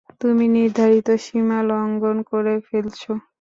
তুমি নির্ধারিত সীমা লঙ্খণ করে ফেলছো!